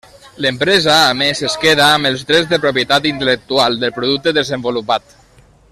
L'empresa, a més, es queda amb els drets de propietat intel·lectual del producte desenvolupat.